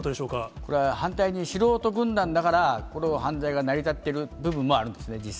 これは、反対に素人軍団だから、この犯罪が成り立っている部分もあるんですね、実際。